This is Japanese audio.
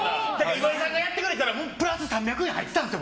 岩井さんがやってくれたらプラス３００円入ってたんですよ！